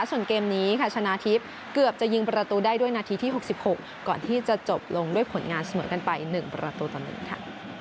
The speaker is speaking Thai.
ส่วนเกมนี้ค่ะชนะทิพย์เกือบจะยิงประตูได้ด้วยนาทีที่๖๖ก่อนที่จะจบลงด้วยผลงานเสมอกันไป๑ประตูต่อ๑ค่ะ